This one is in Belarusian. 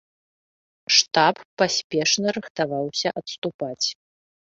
Штаб паспешна рыхтаваўся адступаць.